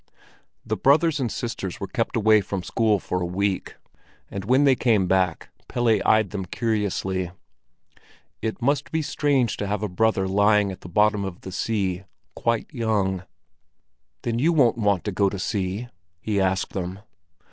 The brothers and sisters were kept away from school for a week, and when they came back Pelle eyed them curiously: it must be strange to have a brother lying at the bottom of the sea, quite young! "Then you won't want to go to sea?" he asked them.